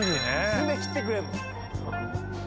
爪切ってくれんの？